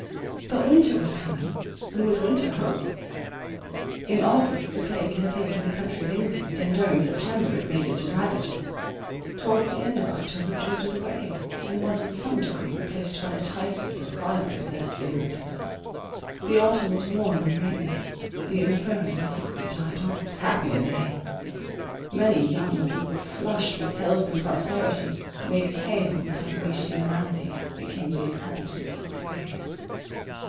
But winter was coming, and with winter, hope. In August, the plague had appeared in the country of England, and during September it made its ravages. Towards the end of October it dwindled away, and was in some degree replaced by a typhus, of hardly less virulence. The autumn was warm and rainy: the infirm and sickly died off—happier they: many young people flushed with health and prosperity, made pale by wasting malady, became the inhabitants of the grave.